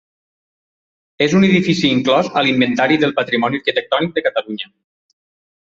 És un edifici inclòs a l'Inventari del Patrimoni Arquitectònic de Catalunya.